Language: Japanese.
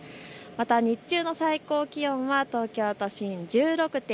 また日中の最高気温は東京都心、１６．３度。